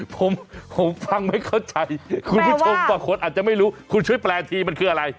ผมผมฟังไม่เข้าใจคุณผู้ชมบางคนอาจจะไม่รู้คุณช่วยแปลทีมันคืออะไร